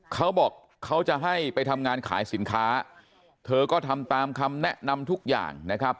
เขาบอกเขาจะให้ไปทำงานขายสินค้าเธอก็ทำตามคำแนะนำทุกอย่างนะครับ